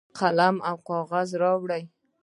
قلم او کاغذ راوړي.